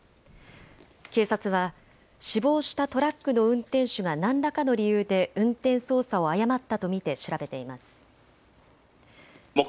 警察は死亡したトラックの運転手が何らかの理由で運転操作を誤ったと見て調べています。